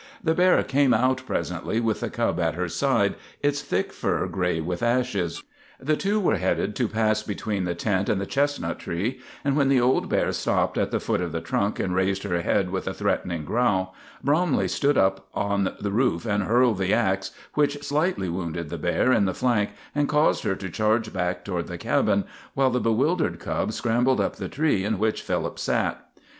The bear came out presently, with the cub at her side, its thick fur gray with ashes. The two were headed to pass between the tent and the chestnut tree, and when the old bear stopped at the foot of the trunk and raised her head with a threatening growl, Bromley stood up on the roof and hurled the ax, which slightly wounded the bear in the flank and caused her to charge back toward the cabin, while the bewildered cub scrambled up the tree in which Philip sat.